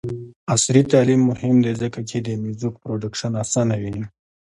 عصري تعلیم مهم دی ځکه چې د میوزیک پروډکشن اسانوي.